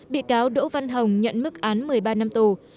bị cáo đỗ văn hồng nhận mức án một mươi ba năm tù